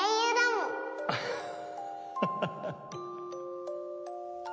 アハハハハ。